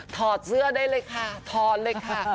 อดเสื้อได้เลยค่ะถอดเลยค่ะ